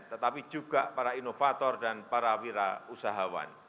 tetapi juga para inovator dan para wirausahawan